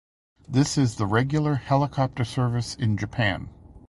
This is the regular helicopter service in Japan.